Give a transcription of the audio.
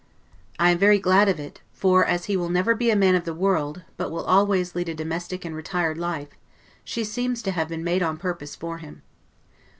I am very glad of it; for, as he will never be a man of the world, but will always lead a domestic and retired life, she seems to have been made on purpose for him.